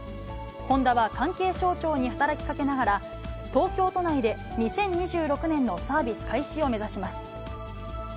ホンダは関係省庁に働きかけながら、東京都内で２０２６年のサービス開始を目指します。